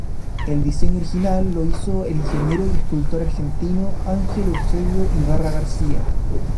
El diseño original lo hizo el ingeniero y escultor argentino Ángel Eusebio Ibarra García.